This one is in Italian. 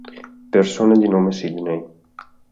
Persone di nome Sidney